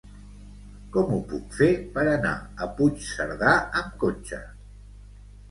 Com ho puc fer per anar a Puigcerdà amb cotxe?